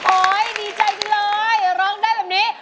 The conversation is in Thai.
โอ๊ยดีใจจริงเลยร้องได้แบบนี้